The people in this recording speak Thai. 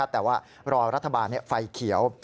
แต่ว่ารอรัฐบาลไฟเขียว